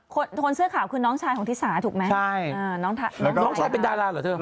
คนคนเสื้อขาวคือน้องชายของทิสาถูกไหมใช่อ่าน้องน้องชายเป็นดาราเหรอเธอ